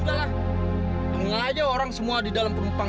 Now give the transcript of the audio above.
hanya maaf opioids yang sangat memanggap sosial di depan